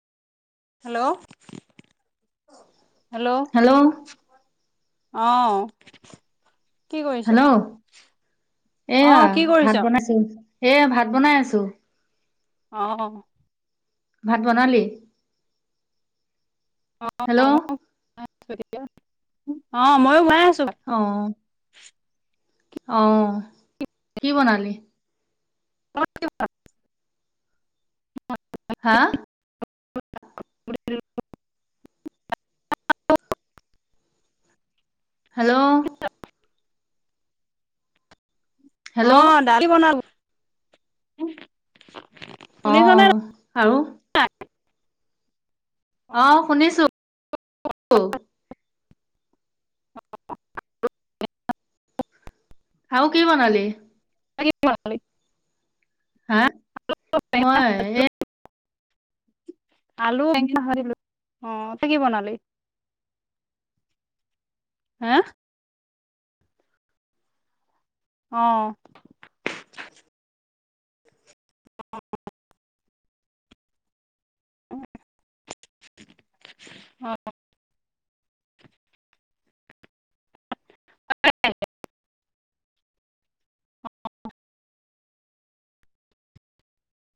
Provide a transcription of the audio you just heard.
Hello. Hello. অ'। কি কৰিছো? এইয়া ভাত বনাইছো। এ ভাত বনাই আছো। অ'। ভাত বনালি? অ হেল্ল'। অ' মইও গৈছ অ'। অ' কি বনালি? অ', [unintelligible] হা? [unintelligible] হেল্ল' হেল্ল' অ', ডালি বনালোঁ। [unintelligible] অ', আৰু? [unintelligible] অ', শুনিছো। [unintelligible] আৰু কি বনালি? [unintelligible] হা, মই এ আলু বেঙেনা ভাজিলো। অ', তই কি বনালি? হা? অ'। অ', হয়।